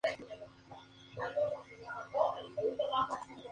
Sus padres fueron Ramón Zorrilla y Benigna Rojas.